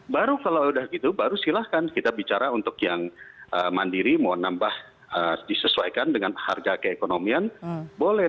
baru kalau udah gitu baru silahkan kita bicara untuk yang mandiri mau nambah disesuaikan dengan harga keekonomian boleh